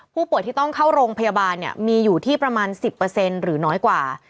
ผู้ป่วยที่ต้องเข้าโรงพยาบาลเนี้ยมีอยู่ที่ประมาณสิบเปอร์เซ็นต์หรือน้อยกว่า